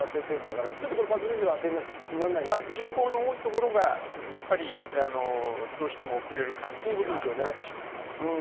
人口の多いところがどうしても遅れる感じにはなってしまいます。